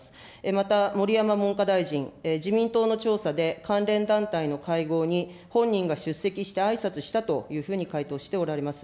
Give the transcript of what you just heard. また、盛山文科大臣、自民党の調査で関連団体の会合に、本人が出席してあいさつしたというふうに回答しておられます。